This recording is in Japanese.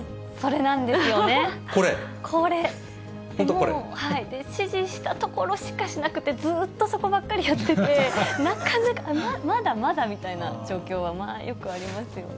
これ、指示した所しかしなくてずっとそこばっかりやってて、なかなか、まだまだみたいな状況はまあよくありますよね。